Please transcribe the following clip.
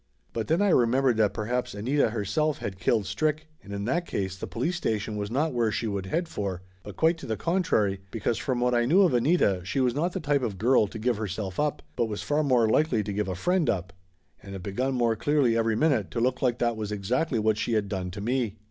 But then I remembered that perhaps Anita herself had killed Strick and in that case the police station was not where she would head for, but quite to the contrary, because from what I knew of Anita she was not the type of girl to give herself up, but was far more likely to give a friend up, and it begun more clearly every Laughter Limited 307 minute to look like that was exactly what she had done to me.